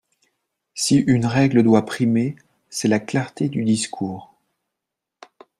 Si une règle doit primer, c’est la clarté du discours.